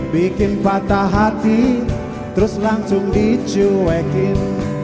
bikin patah hati terus langsung dicuekin